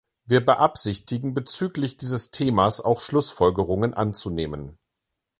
Wir beabsichtigen bezüglich dieses Themas auch Schlussfolgerungen anzunehmen.